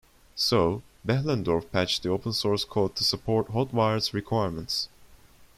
So, Behlendorf patched the open-source code to support HotWired's requirements.